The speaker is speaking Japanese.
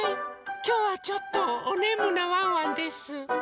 きょうはちょっとおねむなワンワンです。